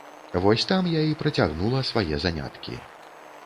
Вось там я і працягнула свае заняткі.